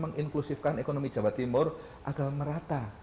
menginklusifkan ekonomi jawa timur agar merata